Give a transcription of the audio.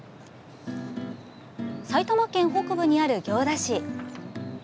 埼玉県北部にある行田市。